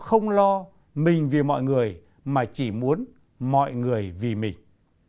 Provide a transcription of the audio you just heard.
họ không lo mình vì mọi người mà chỉ muốn mọi người vì mình